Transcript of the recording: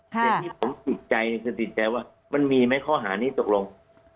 แต่ที่ผมติดใจคือติดใจว่ามันมีไหมข้อหานี้ตกลง